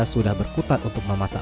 apalagi diperken decepatnya misal ya